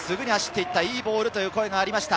いいボールという声がありました。